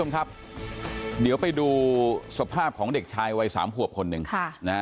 ครับเดี๋ยวไปดูสภาพของเด็กชายวัยสามผวบคนหนึ่งค่ะ